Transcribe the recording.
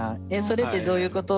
「それってどういうこと？」